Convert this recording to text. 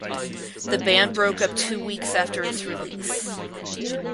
The band broke up two weeks after its release.